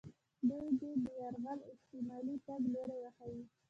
دوی دې د یرغل احتمالي تګ لوري وښیي.